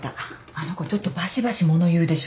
あの子ちょっとばしばし物言うでしょ。